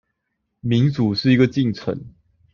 民主是一個進程